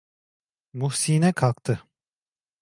Muhsine kalktı.